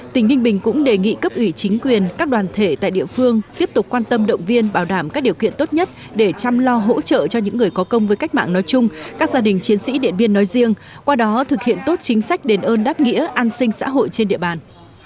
tỉnh ninh bình cũng đề nghị cấp ủy chính quyền các đoàn thể tại địa phương tiếp tục quan tâm động viên bảo đảm các điều kiện tốt nhất để chăm lo hỗ trợ cho những người có công với cách mạng nói chung các gia đình chiến sĩ điện biên nói riêng qua đó thực hiện tốt chính sách đền ơn đáp nghĩa an sinh xã hội trên địa bàn